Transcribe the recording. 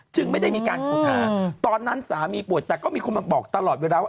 ไม่ได้มีการขุดหาตอนนั้นสามีป่วยแต่ก็มีคนมาบอกตลอดเวลาว่า